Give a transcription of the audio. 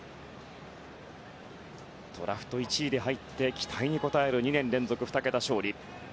ドラフト１位で入って期待に応える２年連続２桁勝利。